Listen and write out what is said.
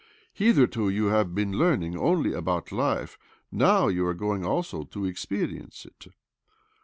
Hitherto you have been learning only about life : now you are going also to experience it.